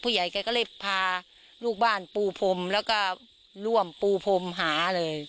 ผู้ใหญ่ก็เลยพาลูกบ้านปูพมแล้วก็รวมปูพมหาเลย